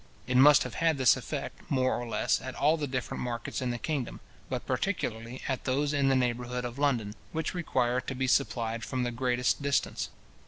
It must have had this effect, more or less, at all the different markets in the kingdom, but particularly at those in the neighbourhood of London, which require to be supplied from the greatest distance.